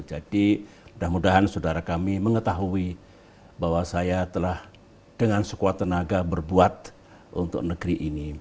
jadi mudah mudahan saudara kami mengetahui bahwa saya telah dengan sekuat tenaga berbuat untuk negeri ini